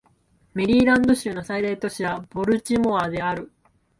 メリーランド州の最大都市はボルチモアである